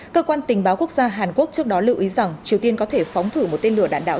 cơ quan tình báo quốc gia hàn quốc trước đó lưu ý rằng triều tiên có thể phóng thử một tên lửa đạn đạo